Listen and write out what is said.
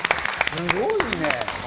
すごいね。